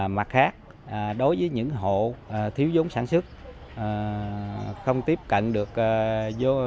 mặt khác đối với những hộ thiếu vốn sản xuất không tiếp cận được vốn dai ngân hàng thì công ty sẽ hợp tác đầu tư với các hộ dân